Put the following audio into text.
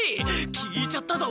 聞いちゃったぞ。